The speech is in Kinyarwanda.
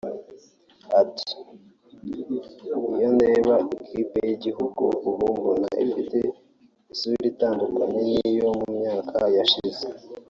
Ati "Iyo ndeba ikipe y’Igihugu ubu mbona ifite isura itandukanye n’iyo mu myaka yashize